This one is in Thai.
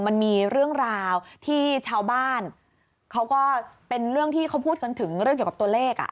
มันมีเรื่องราวที่ชาวบ้านเขาก็เป็นเรื่องที่เขาพูดกันถึงเรื่องเกี่ยวกับตัวเลขอ่ะ